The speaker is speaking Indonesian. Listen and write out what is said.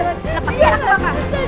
lepasin aku doang kak